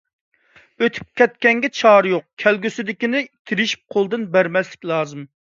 ئۆتۈپ كەتكەنگە چارە يوق، كەلگۈسىدىكىنى تىرىشىپ قولدىن بەرمەسلىك لازىم.